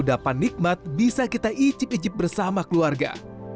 apa nikmat bisa kita ijip ijip bersama keluarga